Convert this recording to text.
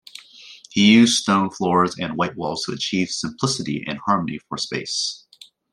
He used stone floors and white walls to achieve simplicity and harmony for space.